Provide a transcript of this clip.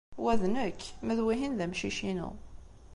Wa d nekk, ma d wihin d amcic-inu.